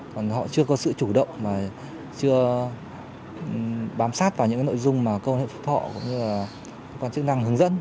còn họ chưa có sự chủ động mà chưa bám sát vào những nội dung mà cơ quan hệ phục họ cũng như là cơ quan chức năng hướng dẫn